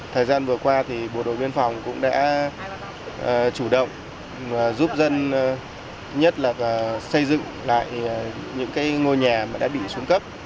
thời gian vừa qua thì bộ đội biên phòng cũng đã chủ động giúp dân nhất là xây dựng lại những ngôi nhà đã bị xuống cấp